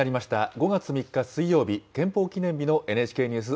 ５月３日水曜日憲法記念日のＮＨＫニュース